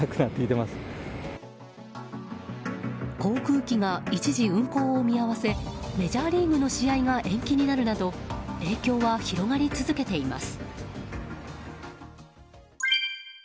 航空機が一時運航を見合わせメジャーリーグの試合が延期になるなど影響は広がり続けています。